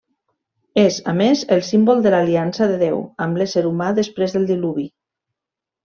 És, a més, el símbol de l'Aliança de Déu amb l'ésser humà després del Diluvi.